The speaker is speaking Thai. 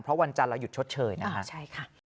เพราะวันจันทร์แล้วหยุดชดเชยนะครับ